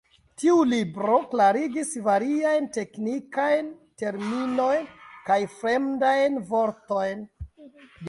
Tiu libro klarigis variajn teknikajn terminojn kaj fremdajn vortojn.